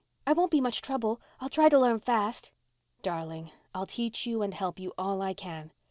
I won't be much trouble—I'll try to learn fast." "Darling, I'll teach you and help you all I can.